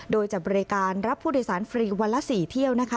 โดยจะบริการรับผู้โดยสารฟรีวันละ๔เที่ยวนะคะ